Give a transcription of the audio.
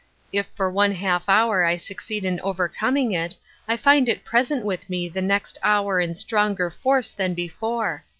If for one half hour I succeed in overcoming it, I find it present with me the next hour in stronger force than before.